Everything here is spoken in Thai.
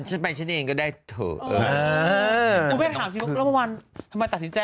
ฉันไปฉันเองก็ได้เออคุณแม่ถามสิแล้วเมื่อวานทำไมตัดสินใจ